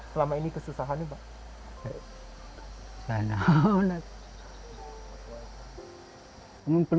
selama ini apa yang kamu lakukan